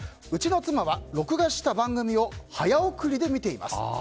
うちの妻は録画した番組を早送りで見ています。